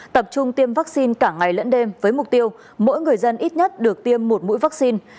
tập trung tiêm vaccine cả ngày lẫn đêm với mục tiêu mỗi người dân ít nhất được tiêm một mũi vaccine